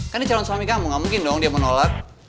kan ini calon suami kamu gak mungkin dong dia mau nolak